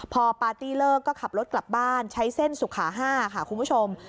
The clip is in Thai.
พอปาร์ตี้เลิกก็ขับรถกลับบ้านใช้เส้นสุขา๕ค่ะคุณผู้ชม